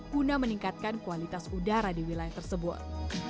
guna meningkatkan kualitas udara di wilayah tersebut